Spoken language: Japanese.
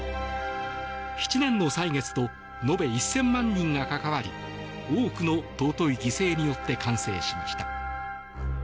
７年の歳月と延べ１０００万人が関わり多くの尊い犠牲によって完成しました。